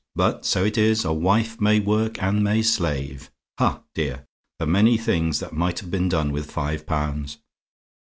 But so it is: a wife may work and may slave! Ha, dear! the many things that might have been done with five pounds.